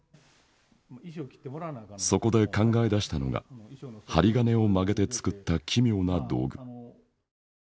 そこで考え出したのが針金を曲げて作った奇妙な道具。